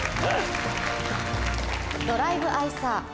「ドライブ・アイ・サー」